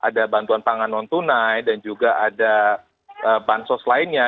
ada bantuan pangan non tunai dan juga ada bansos lainnya